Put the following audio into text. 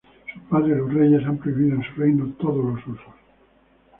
Sus padres, los reyes, han prohibido en su reino todos los husos.